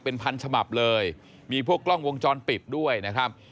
เป็นพันฉบับเลยมีพวกกล้องวงจรปิดด้วยนะครับ